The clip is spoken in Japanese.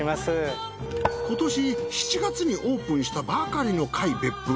今年７月にオープンしたばかりの界別府。